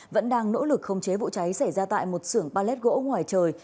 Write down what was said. vẫn đang nỗ lực khống chế vụ cháy xảy ra tại một sưởng pallet gỗ ngoài trời